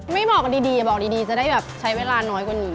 ไม่บอกดีจะได้แบบใช้เวลาน้อยกว่านี้